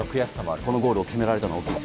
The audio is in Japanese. このゴールを決められたのはね。